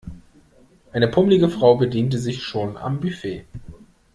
Eine pummelige Frau bediente sich schon am Buffet.